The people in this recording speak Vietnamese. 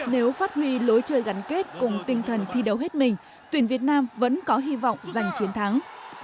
nếu phát huy lối chơi gắn kết cùng tinh thần thi đấu hết mình tuyển việt nam vẫn có hy vọng giành chiến thắng